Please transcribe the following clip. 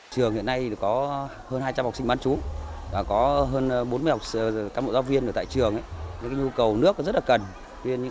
trường hiện nay có hơn hai trăm linh học sinh bán trú và có hơn bốn mươi học sinh bán trú các mẫu giáo viên ở tại trường nhu cầu nước rất là cần